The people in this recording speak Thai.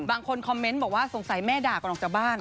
บางคนคอมเมนต์บอกว่าสงสัยแม่ด่าก่อนออกจากบ้าน